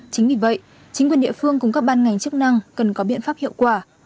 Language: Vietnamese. chính vì vậy chính quyền địa phương cung cấp ban ngành chức năng cần có biện pháp hiệu quả